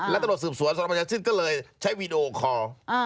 แล้วตลอดสืบสวนสวรรค์บรรยาชินก็เลยใช้วีดีโอคอร์